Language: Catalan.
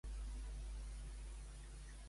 Tornes a posar la pel·lícula "Alcarràs"?